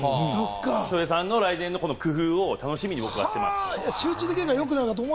翔平さんの来年の工夫を僕は楽しみに見ています。